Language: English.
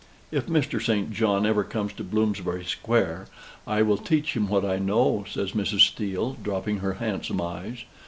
"If Mr. St. John ever comes to Bloomsbury Square I will teach him what I know," says Mrs. Steele, dropping her handsome eyes.